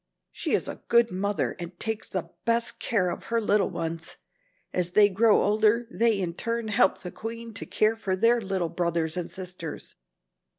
She is a good mother and takes the best of care of her little ones. As they grow older, they in turn help the queen to care for their little brothers and sisters.